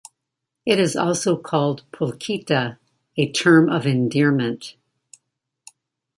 It is also called "polquita", a term of endearment.